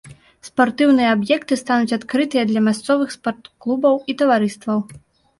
Спартыўныя аб'екты стануць адкрытыя для мясцовых спартклубаў і таварыстваў.